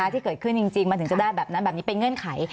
ที่เกิดขึ้นจริงมันถึงจะได้แบบนั้นแบบนี้เป็นเงื่อนไข